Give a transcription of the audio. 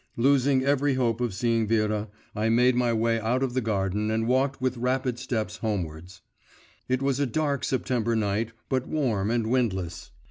Losing every hope of seeing Vera, I made my way out of the garden and walked with rapid steps homewards. It was a dark September night, but warm and windless.